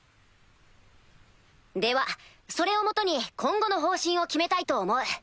ではそれをもとに今後の方針を決めたいと思う。